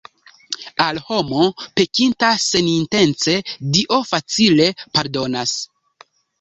Al homo, pekinta senintence, Dio facile pardonas.